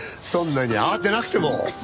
そんなに慌てなくても。